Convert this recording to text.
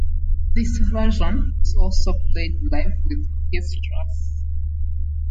This version is also played live with orchestras.